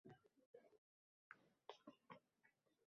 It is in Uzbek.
Nimalar deb valdirayapsan, Nazira